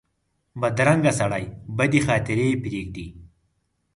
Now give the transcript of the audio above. بدرنګه سړي بدې خاطرې پرېږدي